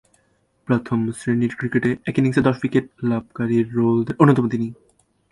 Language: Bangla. প্রথম-শ্রেণীর ক্রিকেটে এক ইনিংসে দশ উইকেট লাভকারী বোলারদের অন্যতম তিনি।